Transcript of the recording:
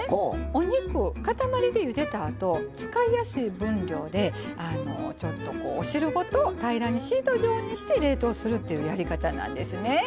お肉、塊でゆでたあと使いやすい分量で、お汁ごと平らにシート状にして冷凍するっていうやり方なんですね。